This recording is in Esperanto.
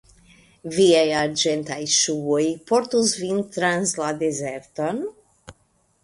Viaj Arĝentaj ŝuoj portos vin trans la dezerton?